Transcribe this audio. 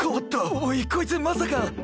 おいこいつまさか。